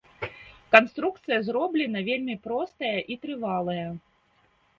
Канструкцыя зроблена вельмі простая і трывалая.